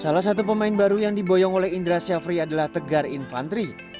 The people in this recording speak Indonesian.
salah satu pemain baru yang diboyong oleh indra syafri adalah tegar infantri